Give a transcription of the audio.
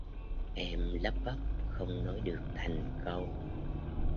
em lắp bắp không nói được thành câu